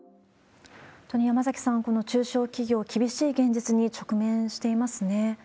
山崎さん、この中小企業、厳しい現実に直面していますね。